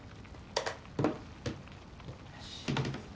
よし。